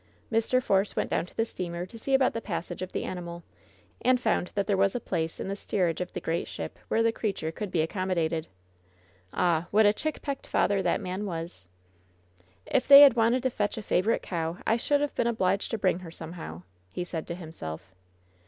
Mr. Force went down to the steamer to see about the passage of the animal, and found that there was a place in the steerage of the great ship where the creature could be accommodated. Ah, what a chickpecked father that man was ! "If they had wanted to fetch a favorite cow, I should have been obliged to bring her somehow," he said to himself.